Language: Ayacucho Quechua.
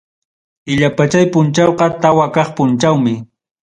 Illapachay punchawqa tawa kaq punchawmi.